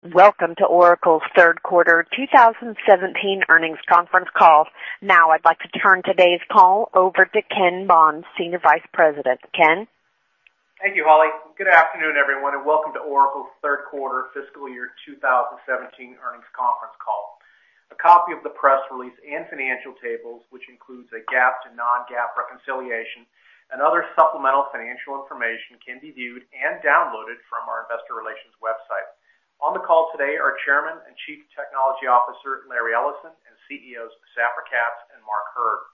Welcome to Oracle's third quarter 2017 earnings conference call. I'd like to turn today's call over to Ken Bond, Senior Vice President. Ken? Thank you, Holly. Good afternoon, everyone, and welcome to Oracle's third quarter fiscal year 2017 earnings conference call. A copy of the press release and financial tables, which includes a GAAP to non-GAAP reconciliation and other supplemental financial information, can be viewed and downloaded from our investor relations website. On the call today are Chairman and Chief Technology Officer, Larry Ellison, and CEOs, Safra Catz and Mark Hurd.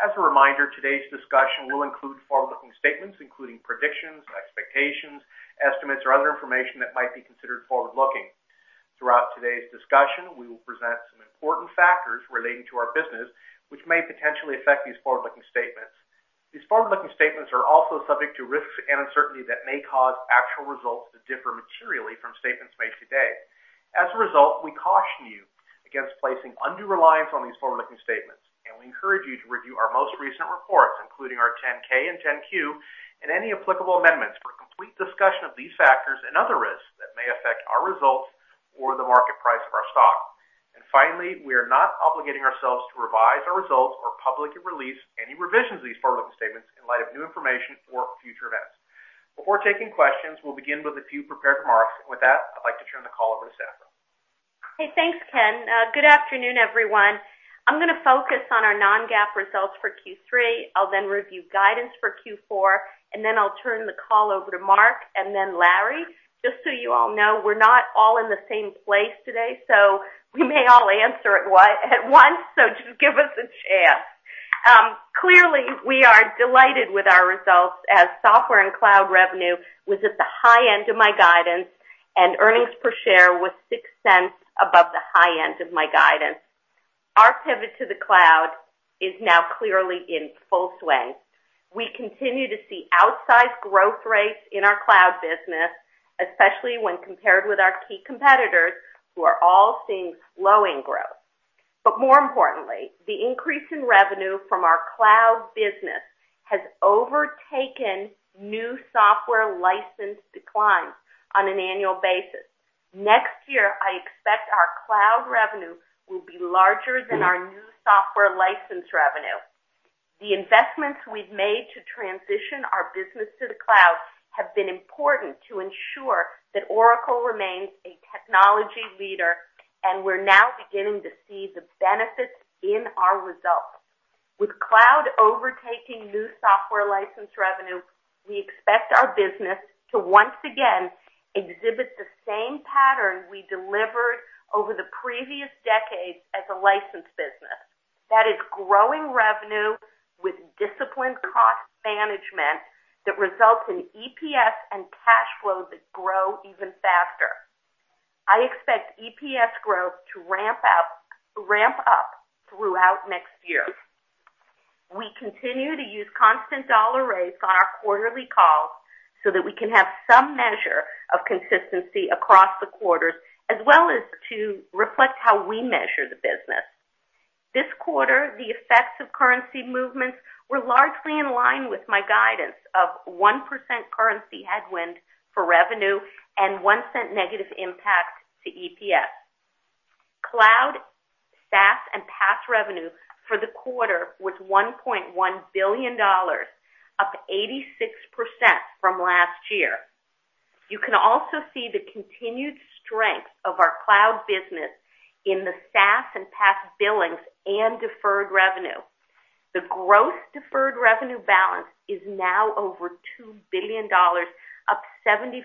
As a reminder, today's discussion will include forward-looking statements, including predictions, expectations, estimates, or other information that might be considered forward-looking. Throughout today's discussion, we will present some important factors relating to our business, which may potentially affect these forward-looking statements. These forward-looking statements are also subject to risks and uncertainty that may cause actual results to differ materially from statements made today. As a result, we caution you against placing undue reliance on these forward-looking statements, and we encourage you to review our most recent reports, including our 10-K and 10-Q, and any applicable amendments for a complete discussion of these factors and other risks that may affect our results or the market price of our stock. Finally, we are not obligating ourselves to revise our results or publicly release any revisions to these forward-looking statements in light of new information or future events. Before taking questions, we'll begin with a few prepared remarks. With that, I'd like to turn the call over to Safra. Okay, thanks, Ken. Good afternoon, everyone. I'm going to focus on our non-GAAP results for Q3. I'll then review guidance for Q4, I'll turn the call over to Mark and then Larry. Just so you all know, we're not all in the same place today, we may all answer at once, just give us a chance. Clearly, we are delighted with our results as software and cloud revenue was at the high end of my guidance, and earnings per share was $0.06 above the high end of my guidance. Our pivot to the cloud is now clearly in full swing. We continue to see outsized growth rates in our cloud business, especially when compared with our key competitors, who are all seeing slowing growth. More importantly, the increase in revenue from our cloud business has overtaken new software license declines on an annual basis. Next year, I expect our cloud revenue will be larger than our new software license revenue. The investments we've made to transition our business to the cloud have been important to ensure that Oracle remains a technology leader, and we're now beginning to see the benefits in our results. With cloud overtaking new software license revenue, we expect our business to once again exhibit the same pattern we delivered over the previous decades as a license business. That is growing revenue with disciplined cost management that results in EPS and cash flow that grow even faster. I expect EPS growth to ramp up throughout next year. We continue to use constant dollar rates on our quarterly calls so that we can have some measure of consistency across the quarters, as well as to reflect how we measure the business. This quarter, the effects of currency movements were largely in line with my guidance of 1% currency headwind for revenue and $0.01 negative impact to EPS. Cloud, SaaS, and PaaS revenue for the quarter was $1.1 billion, up 86% from last year. You can also see the continued strength of our cloud business in the SaaS and PaaS billings and deferred revenue. The gross deferred revenue balance is now over $2 billion, up 75%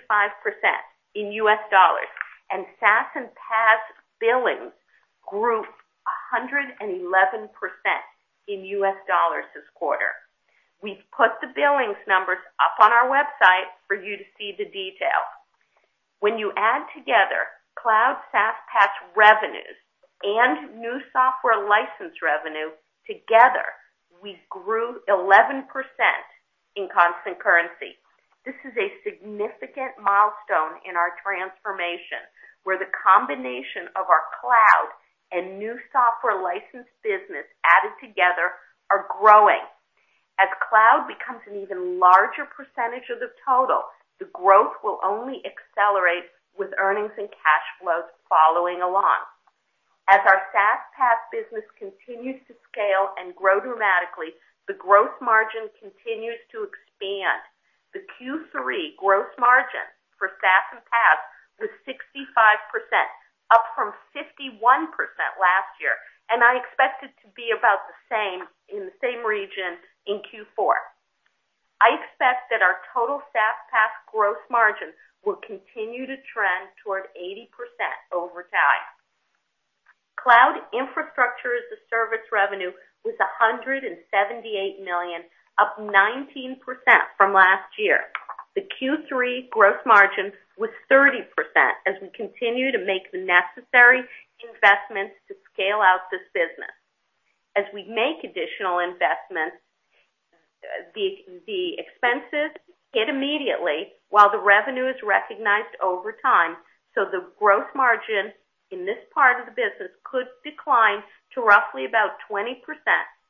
in US dollars, and SaaS and PaaS billings grew 111% in US dollars this quarter. We've put the billings numbers up on our website for you to see the detail. When you add together cloud, SaaS, PaaS revenues and new software license revenue together, we grew 11% in constant currency. This is a significant milestone in our transformation, where the combination of our cloud and new software license business added together are growing. Cloud becomes an even larger percentage of the total, the growth will only accelerate with earnings and cash flows following along. Our SaaS, PaaS business continues to scale and grow dramatically, the gross margin continues to expand. The Q3 gross margin for SaaS and PaaS was 65%, up from 51% last year. I expect it to be about the same, in the same region in Q4. I expect that our total SaaS, PaaS gross margin will continue to trend toward 80% over time. Cloud infrastructure as a service revenue was $178 million, up 19% from last year. The Q3 gross margin was 30% as we continue to make the necessary investments to scale out this business. We make additional investments, the expenses hit immediately while the revenue is recognized over time, the gross margin in this part of the business could decline to roughly about 20%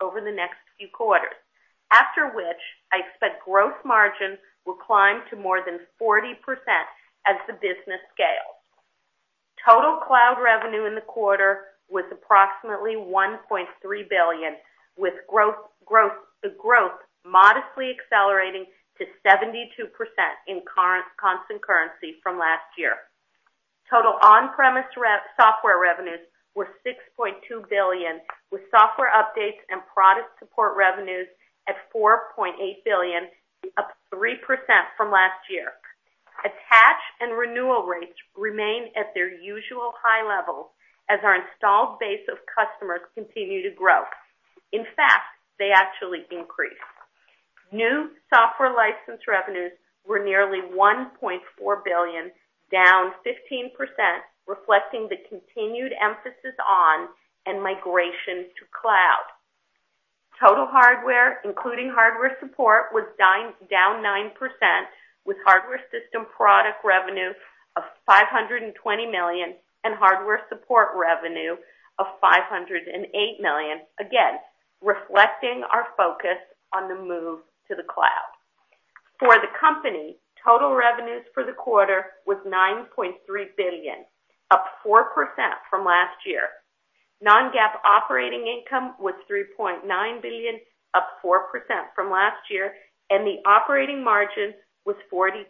over the next few quarters. After which, I expect gross margin will climb to more than 40% as the business scales. Total cloud revenue in the quarter was approximately $1.3 billion, with the growth modestly accelerating to 72% in constant currency from last year. Total on-premise software revenues were $6.2 billion, with software updates and product support revenues at $4.8 billion, up 3% from last year. Attach and renewal rates remain at their usual high levels as our installed base of customers continue to grow. In fact, they actually increased. New software license revenues were nearly $1.4 billion, down 15%, reflecting the continued emphasis on and migration to cloud. Total hardware, including hardware support, was down 9%, with hardware system product revenue of $520 million and hardware support revenue of $508 million, again, reflecting our focus on the move to the cloud. For the company, total revenues for the quarter was $9.3 billion, up 4% from last year. Non-GAAP operating income was $3.9 billion, up 4% from last year, and the operating margin was 43%,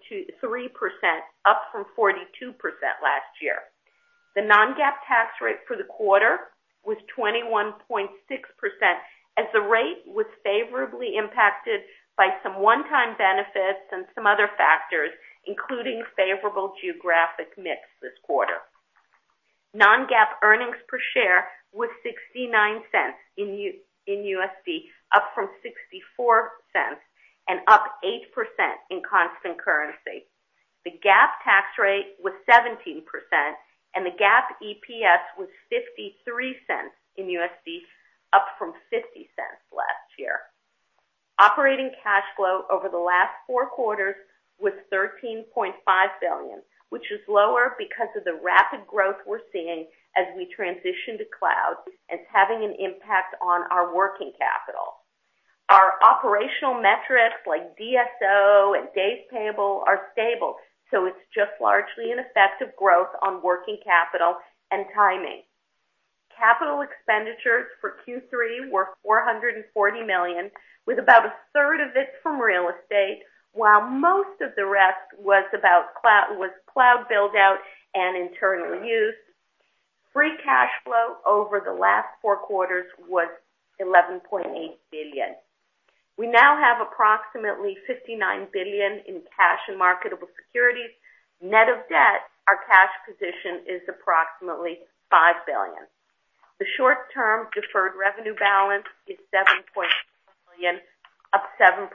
up from 42% last year. The non-GAAP tax rate for the quarter was 21.6%, as the rate was favorably impacted by some one-time benefits and some other factors, including favorable geographic mix this quarter. Non-GAAP earnings per share was $0.69, up from $0.64 and up 8% in constant currency. The GAAP tax rate was 17%, and the GAAP EPS was $0.53, up from $0.50 last year. Operating cash flow over the last four quarters was $13.5 billion, which is lower because of the rapid growth we're seeing as we transition to cloud, and it's having an impact on our working capital. Our operational metrics like DSO and days payable are stable, so it's just largely an effect of growth on working capital and timing. Capital expenditures for Q3 were $440 million, with about a third of it from real estate, while most of the rest was cloud build-out and internal use. Free cash flow over the last four quarters was $11.8 billion. We now have approximately $59 billion in cash and marketable securities. Net of debt, our cash position is approximately $5 billion. The short-term deferred revenue balance is $7.3 billion, up 7%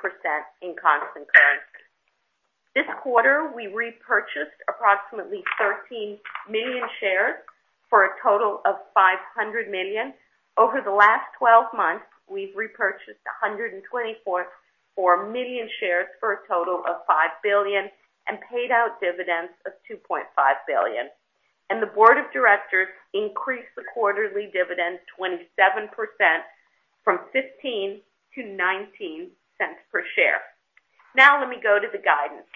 in constant currency. This quarter, we repurchased approximately 13 million shares for a total of $500 million. Over the last 12 months, we've repurchased 124 million shares for a total of $5 billion and paid out dividends of $2.5 billion. The board of directors increased the quarterly dividends 27%, from $0.15 to $0.19 per share. Let me go to the guidance.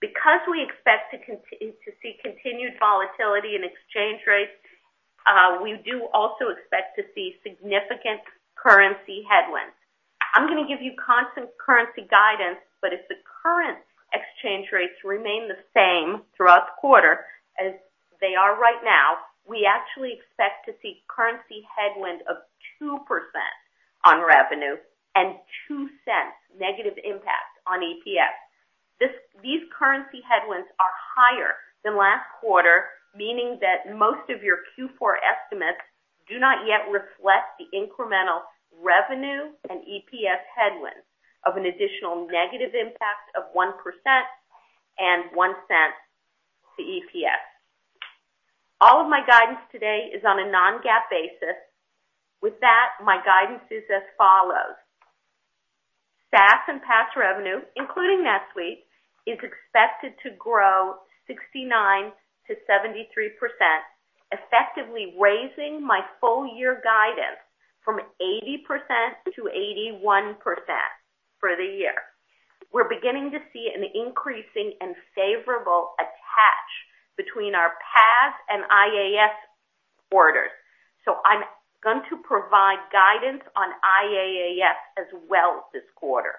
Because we expect to see continued volatility in exchange rates, we do also expect to see significant currency headwinds. I'm going to give you constant currency guidance, but if the current exchange rates remain the same throughout the quarter as they are right now, we actually expect to see currency headwind of 2% on revenue and $0.02 negative impact on EPS. These currency headwinds are higher than last quarter, meaning that most of your Q4 estimates do not yet reflect the incremental revenue and EPS headwinds of an additional negative impact of 1% and $0.01 to EPS. All of my guidance today is on a non-GAAP basis. With that, my guidance is as follows. SaaS and PaaS revenue, including NetSuite, is expected to grow 69% to 73%, effectively raising my full-year guidance from 80% to 81% for the year. We're beginning to see an increasing and favorable attach between our PaaS and IaaS orders. I'm going to provide guidance on IaaS as well this quarter.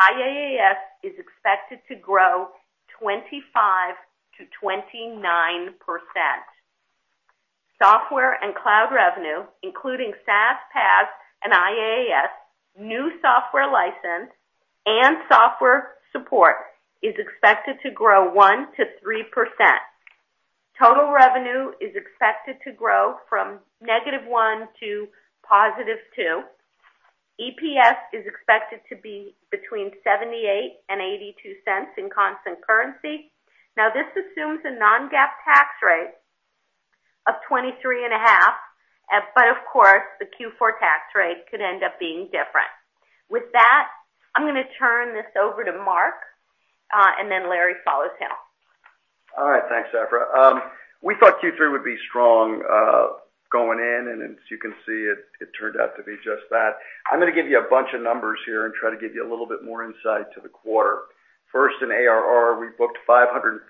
IaaS is expected to grow 25%-29%. Software and cloud revenue, including SaaS, PaaS, and IaaS, new software license, and software support, is expected to grow 1%-3%. Total revenue is expected to grow from -1% to +2%. EPS is expected to be between $0.78 and $0.82 in constant currency. This assumes a non-GAAP tax rate of 23.5%, but of course, the Q4 tax rate could end up being different. With that, I'm going to turn this over to Mark, and then Larry follows him. All right. Thanks, Safra. We thought Q3 would be strong going in, as you can see, it turned out to be just that. I'm going to give you a bunch of numbers here and try to give you a little bit more insight into the quarter. In ARR, we booked $545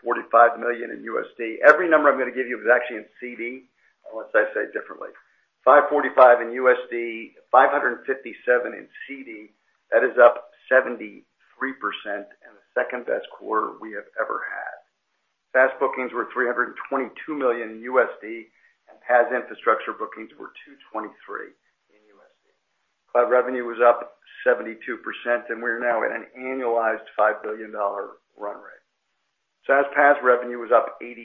million in USD. Every number I'm going to give you is actually in CD, unless I say it differently. $545 in USD, $557 in CD, that is up 73% and the second-best quarter we have ever had. SaaS bookings were $322 million in USD, and PaaS infrastructure bookings were $223 million in USD. Cloud revenue was up 72%, and we are now at an annualized $5 billion run rate. SaaS PaaS revenue was up 86%.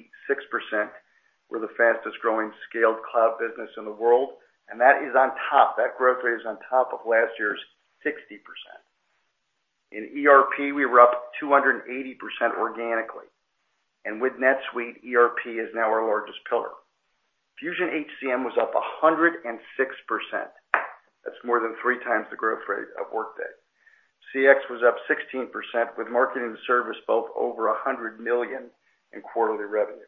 We're the fastest-growing scaled cloud business in the world, and that growth rate is on top of last year's 60%. In ERP, we were up 280% organically, and with NetSuite, ERP is now our largest pillar. Fusion HCM was up 106%. That's more than three times the growth rate of Workday. CX was up 16%, with marketing and service both over $100 million in quarterly revenue.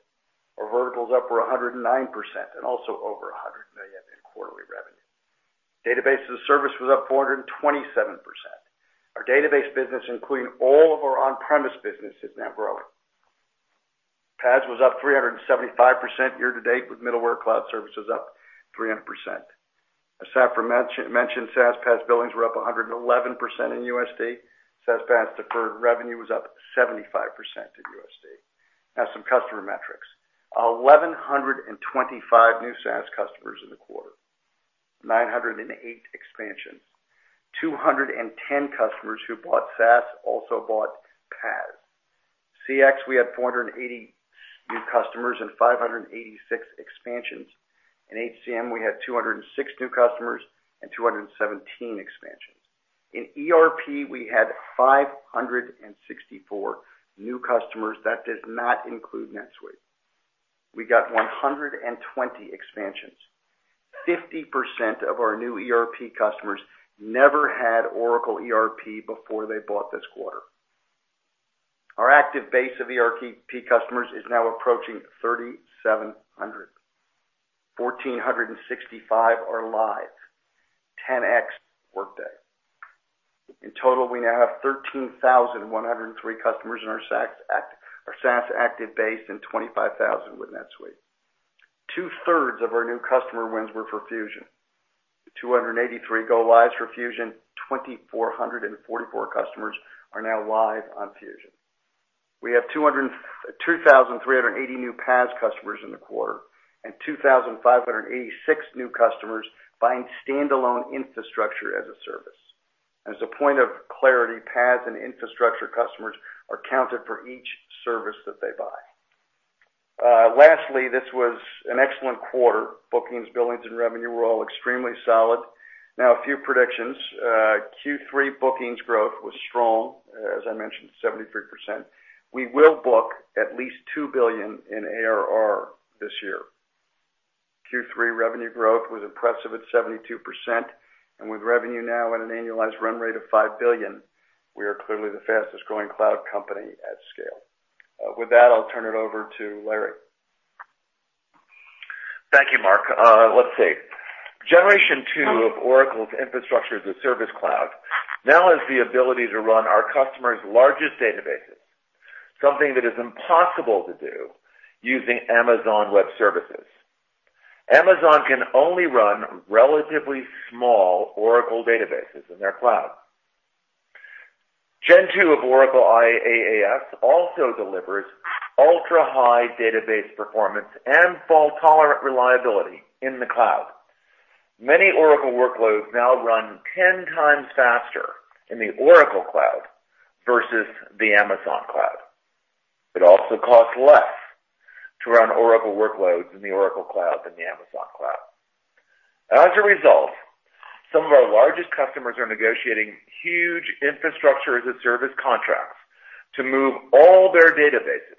Our vertical is up for 109% and also over $100 million in quarterly revenue. Database as a service was up 427%. Our database business, including all of our on-premise business, is now growing. PaaS was up 375% year-to-date, with middleware cloud services up 300%. As Safra mentioned, SaaS PaaS billings were up 111% in USD. SaaS PaaS deferred revenue was up 75% in USD. Some customer metrics. 1,125 new SaaS customers in the quarter, 908 expansions, 210 customers who bought SaaS also bought PaaS. CX, we had 480 new customers and 586 expansions. In HCM, we had 206 new customers and 217 expansions. In ERP, we had 564 new customers. That does not include NetSuite. We got 120 expansions. 50% of our new ERP customers never had Oracle ERP before they bought this quarter. Our active base of ERP customers is now approaching 3,700. 1,465 are live, 10x Workday. In total, we now have 13,103 customers in our SaaS active base and 25,000 with NetSuite. Two-thirds of our new customer wins were for Fusion. 283 go lives for Fusion, 2,444 customers are now live on Fusion. We have 2,380 new PaaS customers in the quarter and 2,586 new customers buying standalone infrastructure as a service. As a point of clarity, PaaS and infrastructure customers are counted for each service that they buy. This was an excellent quarter. Bookings, billings, and revenue were all extremely solid. A few predictions. Q3 bookings growth was strong, as I mentioned, 73%. We will book at least $2 billion in ARR this year. Q3 revenue growth was impressive at 72%, and with revenue now at an annualized run rate of $5 billion, we are clearly the fastest-growing cloud company at scale. With that, I'll turn it over to Larry. Thank you, Mark. Let's see. Generation two of Oracle's infrastructure as a service cloud now has the ability to run our customers' largest databases, something that is impossible to do using Amazon Web Services. Amazon can only run relatively small Oracle databases in their cloud. Gen 2 of Oracle IaaS also delivers ultra-high database performance and fault-tolerant reliability in the cloud. Many Oracle workloads now run 10 times faster in the Oracle Cloud versus the Amazon cloud. It also costs less to run Oracle workloads in the Oracle Cloud than the Amazon cloud. As a result, some of our largest customers are negotiating huge infrastructure as a service contracts to move all their databases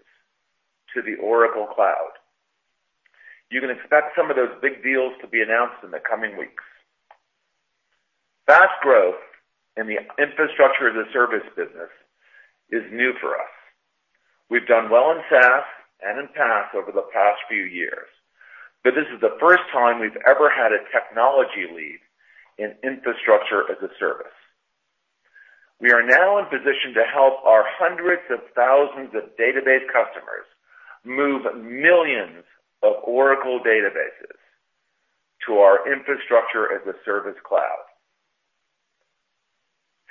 to the Oracle Cloud. You can expect some of those big deals to be announced in the coming weeks. Fast growth in the infrastructure as a service business is new for us. We've done well in SaaS and in PaaS over the past few years. This is the first time we've ever had a technology lead in infrastructure as a service. We are now in position to help our hundreds of thousands of database customers move millions of Oracle databases to our infrastructure as a service cloud.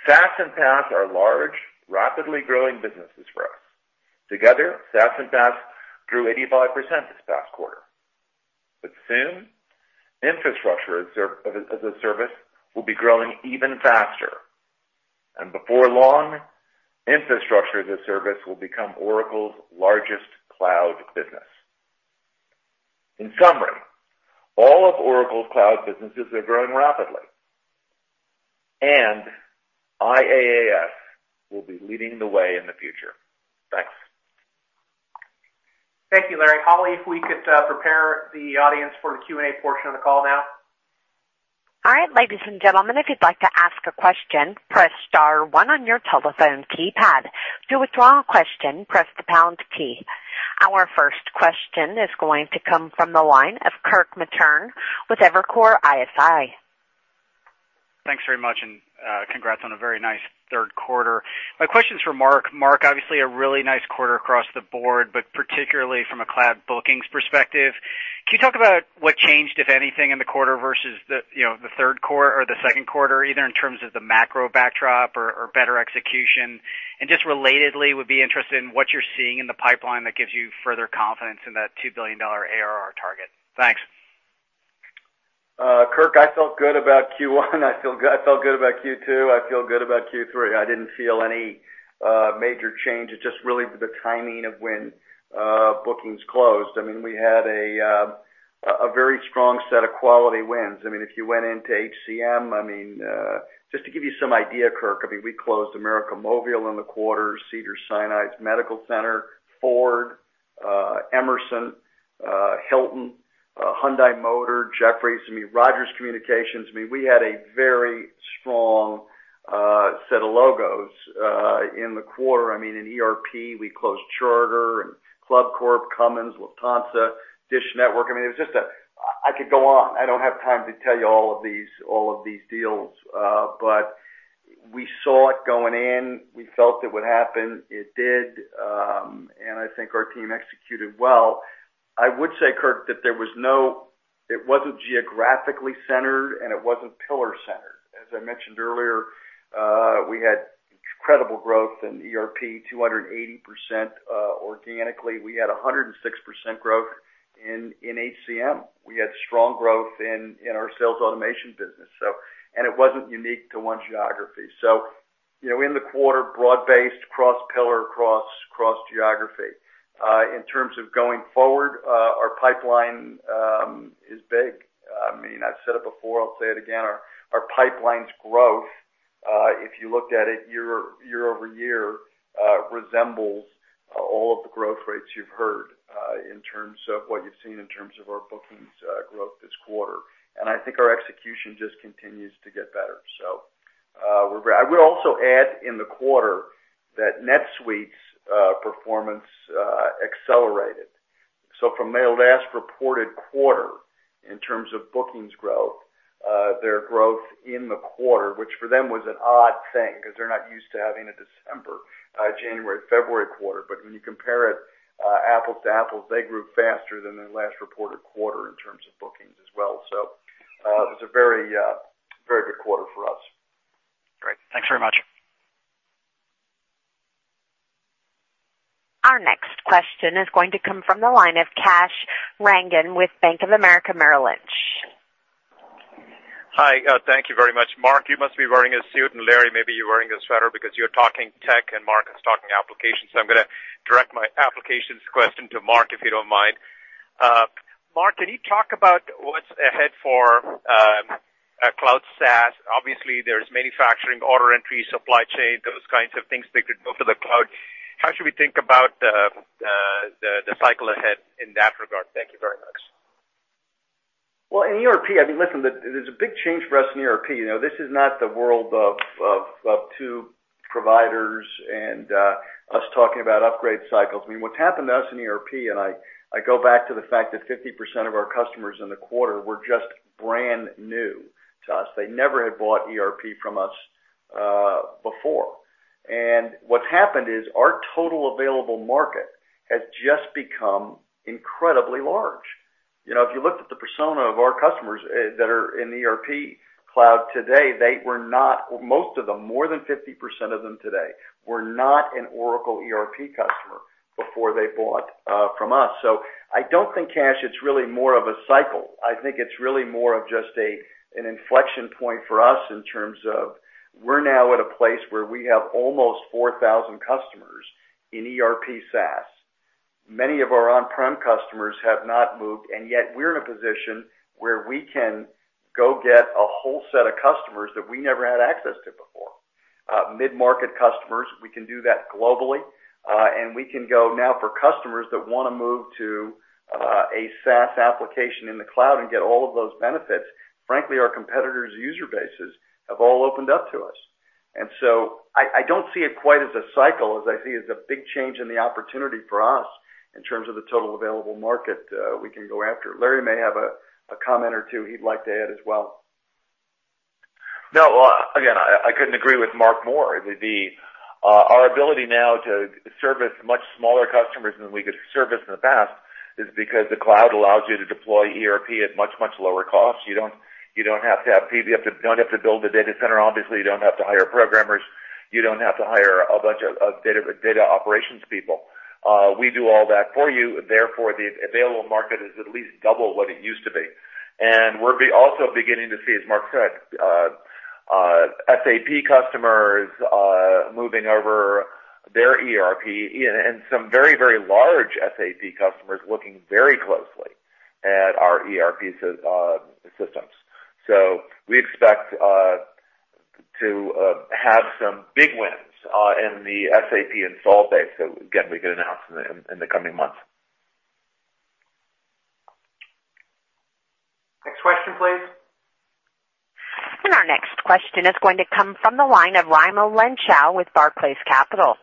SaaS and PaaS are large, rapidly growing businesses for us. Together, SaaS and PaaS grew 85% this past quarter. Soon, infrastructure as a service will be growing even faster. Before long, infrastructure as a service will become Oracle's largest cloud business. In summary, all of Oracle's cloud businesses are growing rapidly. IaaS will be leading the way in the future. Thanks. Thank you, Larry. Holly, if we could prepare the audience for the Q&A portion of the call now? All right, ladies and gentlemen, if you'd like to ask a question, press star one on your telephone keypad. To withdraw a question, press the pound key. Our first question is going to come from the line of Kirk Materne with Evercore ISI. Thanks very much. Congrats on a very nice third quarter. My question's for Mark. Mark, obviously, a really nice quarter across the board, but particularly from a cloud bookings perspective. Can you talk about what changed, if anything, in the quarter versus the second quarter, either in terms of the macro backdrop or better execution? Just relatedly, would be interested in what you're seeing in the pipeline that gives you further confidence in that $2 billion ARR target. Thanks. Kirk, I felt good about Q1. I felt good about Q2. I feel good about Q3. I didn't feel any major change. It's just really the timing of when bookings closed. We had a very strong set of quality wins. If you went into HCM, just to give you some idea, Kirk, we closed América Móvil in the quarter, Cedars-Sinai Medical Center, Ford, Emerson, Hilton, Hyundai Motor, Jefferies, Rogers Communications. We had a very strong set of logos in the quarter. In ERP, we closed Charter, ClubCorp, Cummins, Lufthansa, Dish Network. I could go on. I don't have time to tell you all of these deals. We saw it going in. We felt it would happen. It did. I think our team executed well. I would say, Kirk, that it wasn't geographically centered, and it wasn't pillar-centered. As I mentioned earlier, we had incredible growth in ERP, 280% organically. We had 106% growth in HCM. We had strong growth in our sales automation business. It wasn't unique to one geography. In the quarter, broad-based, cross-pillar, cross-geography. In terms of going forward, our pipeline is big. I've said it before, I'll say it again. Our pipeline's growth, if you looked at it year-over-year, resembles all of the growth rates you've heard in terms of what you've seen in terms of our bookings growth this quarter. I think our execution just continues to get better. I would also add in the quarter that NetSuite's performance accelerated. From their last reported quarter, in terms of bookings growth, their growth in the quarter, which for them was an odd thing because they're not used to having a December, January, February quarter, but when you compare it apple-to-apples, they grew faster than their last reported quarter in terms of bookings as well. It was a very good quarter for us. Great. Thanks very much. Our next question is going to come from the line of Kash Rangan with Bank of America Merrill Lynch. Hi. Thank you very much. Mark, you must be wearing a suit, and Larry, maybe you're wearing a sweater because you're talking tech and Mark is talking applications. I'm going to direct my applications question to Mark, if you don't mind. Mark, can you talk about what's ahead for cloud SaaS? Obviously, there's manufacturing, order entry, supply chain, those kinds of things that could go to the cloud. How should we think about the cycle ahead in that regard? Thank you very much. Well, in ERP, listen, there's a big change for us in ERP. This is not the world of two providers and us talking about upgrade cycles. What's happened to us in ERP, and I go back to the fact that 50% of our customers in the quarter were just brand new to us. They never had bought ERP from us before. What's happened is our total available market has just become incredibly large. If you looked at the persona of our customers that are in the ERP cloud today, most of them, more than 50% of them today, were not an Oracle ERP customer before they bought from us. I don't think, Kash, it's really more of a cycle. I think it's really more of just an inflection point for us in terms of we're now at a place where we have almost 4,000 customers in ERP SaaS. Many of our on-prem customers have not moved, yet we're in a position where we can go get a whole set of customers that we never had access to before. Mid-market customers, we can do that globally, and we can go now for customers that want to move to a SaaS application in the cloud and get all of those benefits. Frankly, our competitors' user bases have all opened up to us. I don't see it quite as a cycle as I see it as a big change in the opportunity for us in terms of the total available market we can go after. Larry may have a comment or two he'd like to add as well. No. Again, I couldn't agree with Mark more. Our ability now to service much smaller customers than we could service in the past is because the cloud allows you to deploy ERP at much, much lower costs. You don't have to build the data center, obviously. You don't have to hire programmers. You don't have to hire a bunch of data operations people. We do all that for you. Therefore, the available market is at least double what it used to be. We're also beginning to see, as Mark said, SAP customers moving over their ERP and some very, very large SAP customers looking very closely at our ERP systems. We expect to have some big wins in the SAP install base that, again, we could announce in the coming months. Next question, please. Our next question is going to come from the line of Raimo Lenschow with Barclays Capital.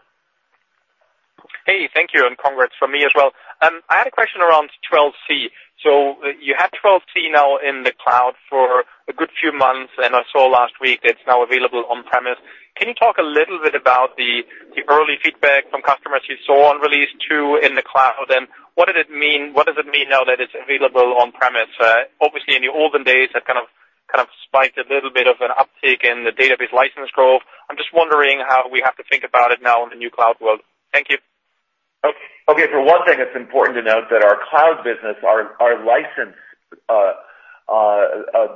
Hey, thank you, and congrats from me as well. I had a question around 12c. You had 12c now in the cloud for a good few months. I saw last week it's now available on-premise. Can you talk a little bit about the early feedback from customers you saw on release 2 in the cloud, and what does it mean now that it's available on-premise? Obviously, in the olden days, that kind of spiked a little bit of an uptick in the database license growth. I'm just wondering how we have to think about it now in the new cloud world. Thank you. Okay. For one thing, it's important to note that our cloud business, our license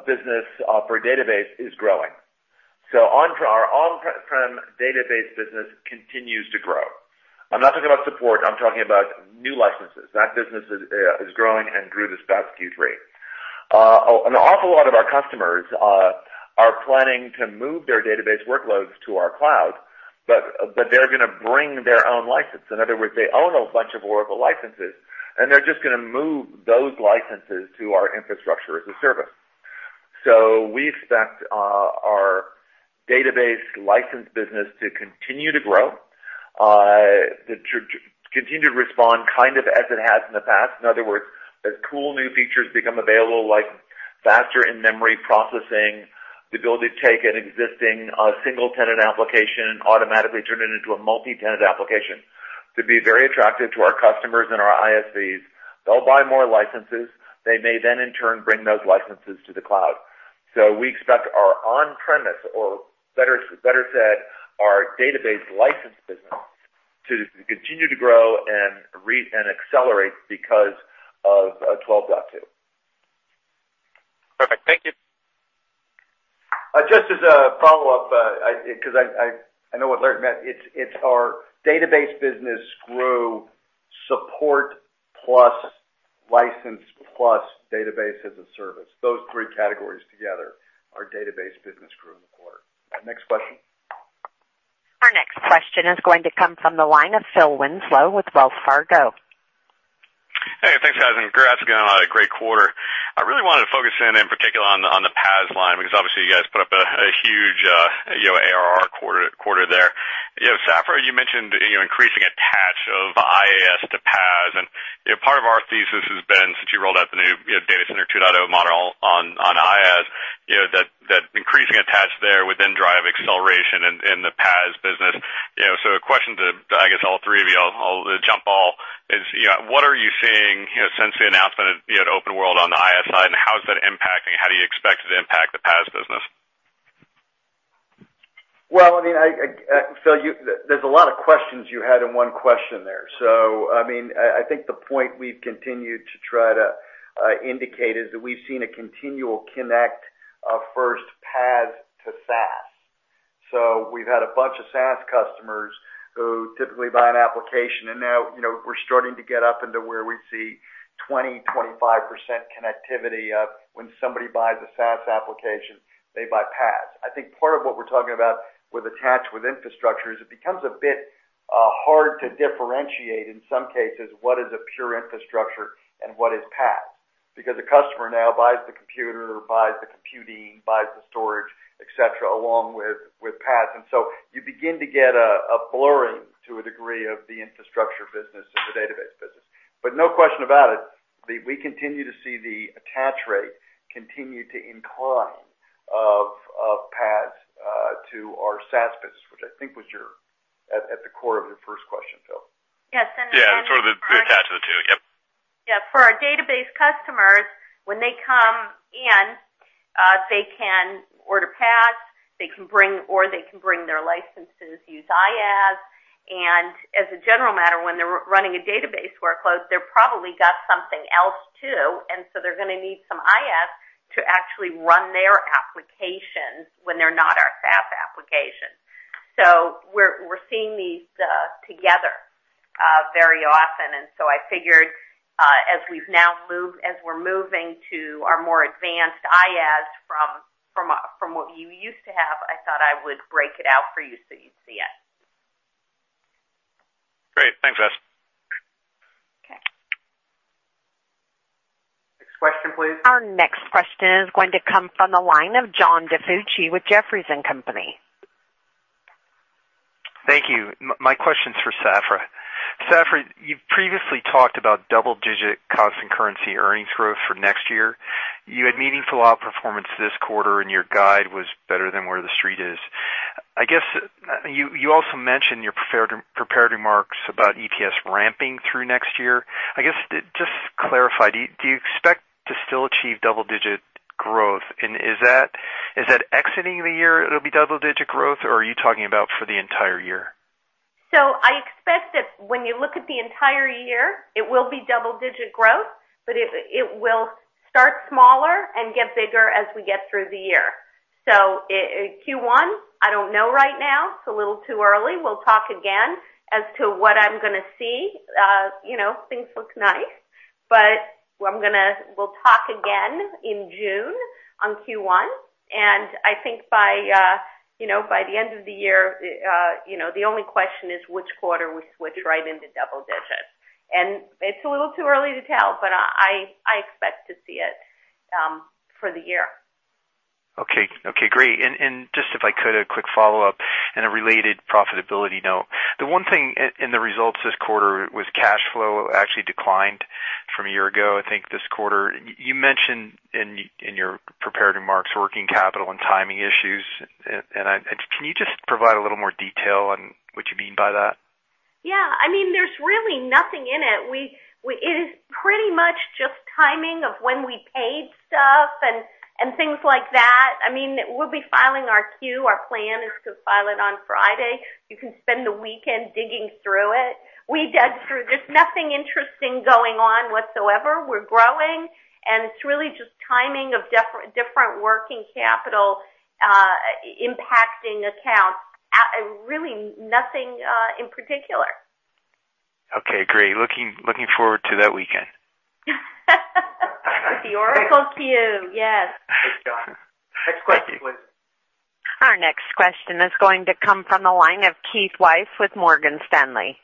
business for database is growing. Our on-prem database business continues to grow. I'm not talking about support, I'm talking about new licenses. That business is growing and grew this past Q3. An awful lot of our customers are planning to move their database workloads to our cloud, but they're going to bring their own license. In other words, they own a bunch of Oracle licenses, and they're just going to move those licenses to our infrastructure as a service. We expect our database license business to continue to grow, to continue to respond kind of as it has in the past. In other words, as cool new features become available, like faster in-memory processing, the ability to take an existing single-tenant application and automatically turn it into a multi-tenant application, to be very attractive to our customers and our ISVs. They'll buy more licenses. They may then, in turn, bring those licenses to the cloud. We expect our on-premise, or better said, our database license business to continue to grow and accelerate because of 12.2. Perfect. Thank you. Just as a follow-up, because I know what Larry meant, it is our database business grew support plus license plus database as a service. Those three categories together, our database business grew in the quarter. Next question. Our next question is going to come from the line of Phil Winslow with Wells Fargo. Hey, thanks, guys. Congrats again on a great quarter. I really wanted to focus in particular, on the PaaS line, because obviously you guys put up a huge ARR quarter there. Safra, you mentioned increasing attach of IaaS to PaaS. Part of our thesis has been since you rolled out the new data center 2.0 model on IaaS, that increasing attach there would then drive acceleration in the PaaS business. A question to, I guess, all three of you, is what are you seeing since the announcement at OpenWorld on the IaaS side, and how is that impacting, how do you expect it to impact the PaaS business? Well, Phil, there's a lot of questions you had in one question there. I think the point we've continued to try to indicate is that we've seen a continual connect of first PaaS to SaaS. We've had a bunch of SaaS customers who typically buy an application, and now we're starting to get up into where we see 20%-25% connectivity of when somebody buys a SaaS application, they buy PaaS. I think part of what we're talking about with attach with infrastructure is it becomes a bit hard to differentiate in some cases what is a pure infrastructure and what is PaaS. A customer now buys the computer, buys the computing, buys the storage, et cetera, along with PaaS. You begin to get a blurring to a degree of the infrastructure business and the database business. No question about it, we continue to see the attach rate continue to incline of PaaS to our SaaS business, which I think was at the core of your first question, Phil. Yeah, sort of the attach of the two. Yep. Yeah, for our database customers, when they come in, they can order PaaS. They can bring their licenses, use IaaS. As a general matter, when they're running a database workload, they've probably got something else, too. They're going to need some IaaS to actually run their applications when they're not our SaaS application. We're seeing these together very often. I figured as we're moving to our more advanced IaaS from what you used to have, I thought I would break it out for you so you'd see it. Great. Thanks, guys. Okay. Next question, please. Our next question is going to come from the line of John DiFucci with Jefferies & Company. Thank you. My question is for Safra. Safra, you've previously talked about double-digit constant currency earnings growth for next year. You had meaningful outperformance this quarter, and your guide was better than where the Street is. I guess you also mentioned in your prepared remarks about EPS ramping through next year. I guess, just to clarify, do you expect to still achieve double-digit growth? Is that exiting the year it'll be double-digit growth, or are you talking about for the entire year? I expect that when you look at the entire year, it will be double-digit growth, but it will start smaller and get bigger as we get through the year. Q1, I don't know right now. It's a little too early. We'll talk again as to what I'm going to see. Things look nice. We'll talk again in June on Q1, and I think by the end of the year, the only question is which quarter we switch right into double digits. It's a little too early to tell, but I expect to see it for the year. Okay, great. Just if I could, a quick follow-up and a related profitability note. The one thing in the results this quarter was cash flow actually declined from a year ago, I think, this quarter. You mentioned in your prepared remarks, working capital and timing issues. Can you just provide a little more detail on what you mean by that? Yeah. There's really nothing in it. It is pretty much just timing of when we paid stuff and things like that. We'll be filing our Q. Our plan is to file it on Friday. You can spend the weekend digging through it. We dug through. There's nothing interesting going on whatsoever. We're growing, it's really just timing of different working capital impacting accounts, really nothing in particular. Okay, great. Looking forward to that weekend. The Oracle Q, yes. Thanks, John. Next question, please. Our next question is going to come from the line of Keith Weiss with Morgan Stanley.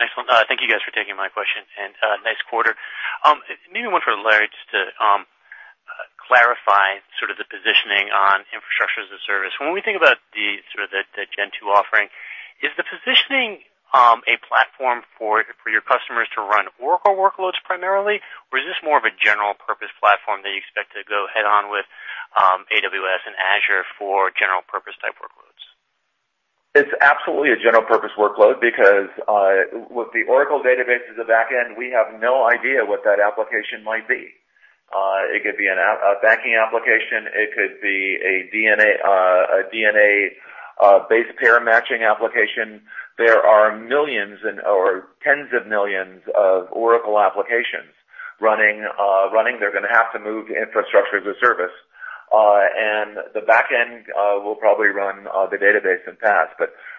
Excellent. Thank you guys for taking my question, and nice quarter. Maybe one for Larry, just to clarify sort of the positioning on infrastructure as a service. When we think about the Gen 2 offering, is the positioning a platform for your customers to run Oracle workloads primarily, or is this more of a general-purpose platform that you expect to go head-on with AWS and Azure for general purpose type workloads? It's absolutely a general-purpose workload because with the Oracle Database as a back end, we have no idea what that application might be. It could be a banking application. It could be a DNA base pair matching application. There are millions or tens of millions of Oracle applications running. They're going to have to move to Infrastructure as a Service. The back end will probably run the database in the PaaS.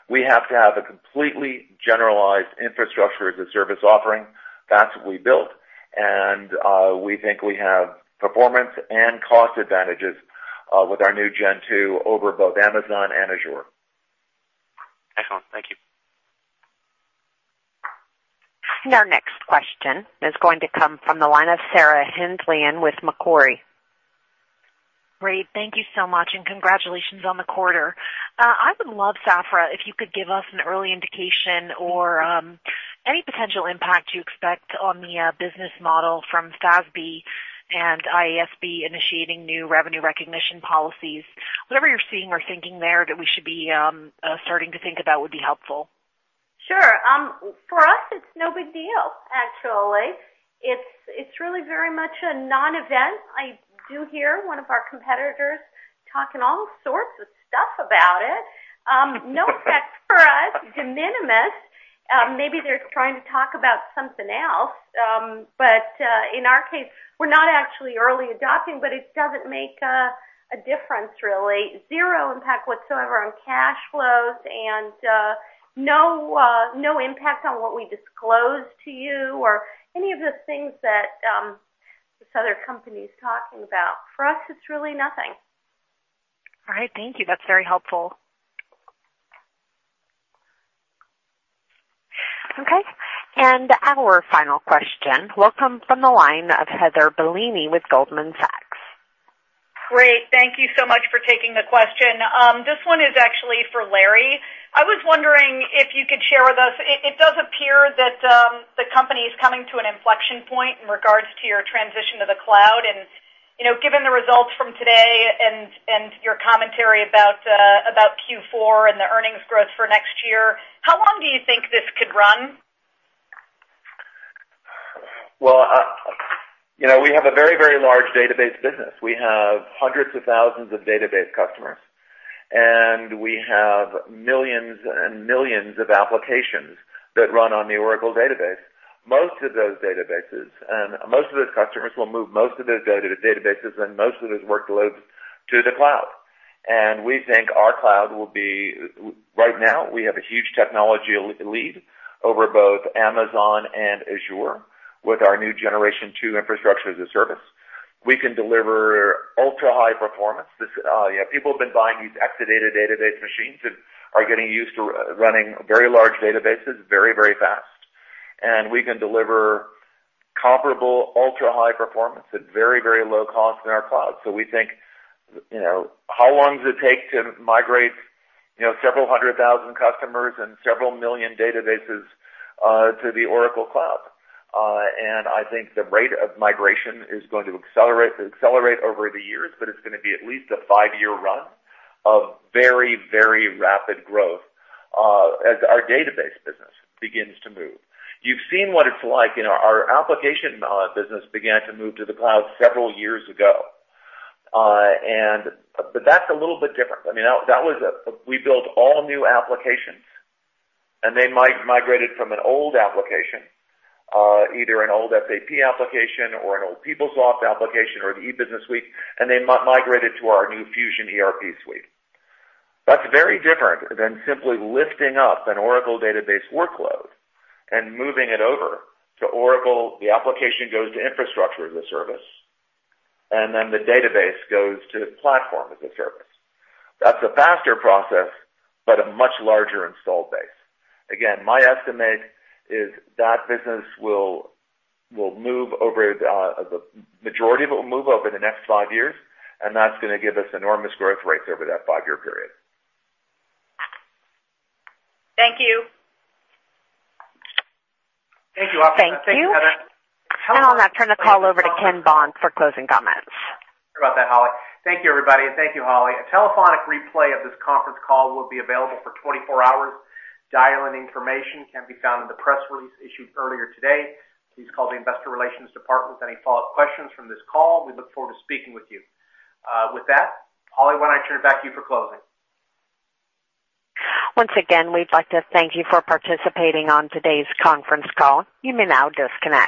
We have to have a completely generalized Infrastructure as a Service offering. That's what we built. We think we have performance and cost advantages with our new Gen 2 over both Amazon and Azure. Excellent. Thank you. Our next question is going to come from the line of Sarah Hindlian with Macquarie. Great. Thank you so much, and congratulations on the quarter. I would love, Safra, if you could give us an early indication or any potential impact you expect on the business model from FASB and IASB initiating new revenue recognition policies. Whatever you're seeing or thinking there that we should be starting to think about would be helpful. Sure. For us, it's no big deal, actually. It's really very much a non-event. I do hear one of our competitors talking all sorts of stuff about it. No effect for us, de minimis. Maybe they're trying to talk about something else. In our case, we're not actually early adopting, but it doesn't make a difference, really. Zero impact whatsoever on cash flows, no impact on what we disclose to you or any of the things that this other company's talking about. For us, it's really nothing. All right. Thank you. That's very helpful. Okay. Our final question will come from the line of Heather Bellini with Goldman Sachs. Great. Thank you so much for taking the question. This one is actually for Larry. I was wondering if you could share with us, it does appear that the company is coming to an inflection point in regards to your transition to the cloud. Given the results from today and your commentary about Q4 and the earnings growth for next year, how long do you think this could run? Well, we have a very large database business. We have hundreds of thousands of database customers, and we have millions and millions of applications that run on the Oracle Database. Most of those databases and most of those customers will move most of those databases and most of those workloads to the cloud. We think our cloud will be Right now, we have a huge technology lead over both Amazon and Azure with our new Generation Two infrastructure as a service. We can deliver ultra-high performance. People have been buying these Exadata database machines that are getting used to running very large databases very fast. We can deliver comparable ultra-high performance at very low cost in our cloud. We think, how long does it take to migrate several hundred thousand customers and several million databases to the Oracle Cloud? I think the rate of migration is going to accelerate over the years, but it's going to be at least a five-year run of very rapid growth as our database business begins to move. You've seen what it's like. Our application business began to move to the cloud several years ago. That's a little bit different. We built all new applications, and they migrated from an old application, either an old SAP application or an old PeopleSoft application or the E-Business Suite, and they migrated to our new Fusion ERP suite. That's very different than simply lifting up an Oracle Database workload and moving it over to Oracle. The application goes to infrastructure as a service, the database goes to platform as a service. That's a faster process, a much larger install base. Again, my estimate is that business will move over, the majority of it will move over the next five years, that's going to give us enormous growth rates over that five-year period. Thank you. Thank you. Thank you. On that, turn the call over to Ken Bond for closing comments. Sorry about that, Holly. Thank you, everybody, and thank you, Holly. A telephonic replay of this conference call will be available for 24 hours. Dial-in information can be found in the press release issued earlier today. Please call the investor relations department with any follow-up questions from this call. We look forward to speaking with you. With that, Holly, why don't I turn it back to you for closing? Once again, we'd like to thank you for participating on today's conference call. You may now disconnect